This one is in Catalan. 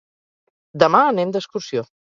Demà anem d'excursió.